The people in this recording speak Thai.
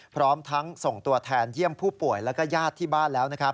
พร้อมทั้งส่งตัวแทนเยี่ยมผู้ป่วยแล้วก็ญาติที่บ้านแล้ว